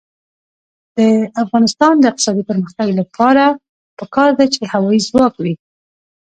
د افغانستان د اقتصادي پرمختګ لپاره پکار ده چې هوایی ځواک وي.